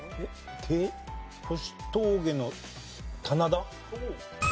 星峠の棚田？